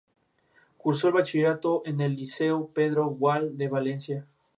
Cursó el bachillerato en el liceo Pedro Gual de Valencia.